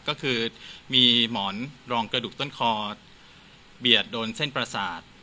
ก็คือมีหมอนรองกระดูกต้นคอเบียดโดนเส้นประสาท